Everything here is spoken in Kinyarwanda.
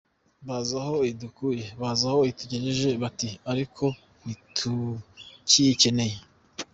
Bazi aho idukuye bazi aho itugejeje, bati ariko ntitukiyikeneye.